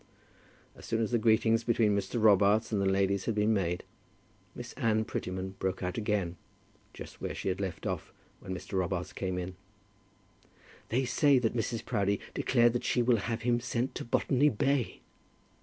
As soon as the greetings between Mr. Robarts and the ladies had been made, Miss Anne Prettyman broke out again, just where she had left off when Mr. Robarts came in. "They say that Mrs. Proudie declared that she will have him sent to Botany Bay!"